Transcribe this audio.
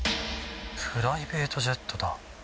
プライベートジェットだ。